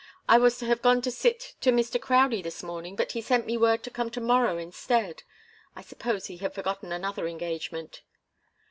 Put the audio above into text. "I was to have gone to sit to Mr. Crowdie this morning, but he sent me word to come to morrow instead. I suppose he had forgotten another engagement."